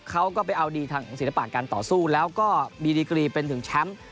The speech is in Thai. เขาก็ไปเอาดีทางศิลปะการต่อสู้แล้วก็มีดีกรีเป็นถึงแชมป์